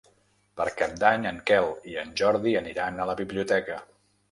Per Cap d'Any en Quel i en Jordi aniran a la biblioteca.